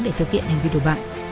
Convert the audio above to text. để thực hiện hành vi đổ bại